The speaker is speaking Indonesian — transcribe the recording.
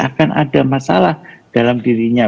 akan ada masalah dalam dirinya